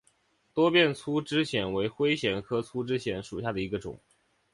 多变粗枝藓为灰藓科粗枝藓属下的一个种。